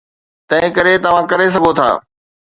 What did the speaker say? تنهنڪري توهان ڪري سگهو ٿا.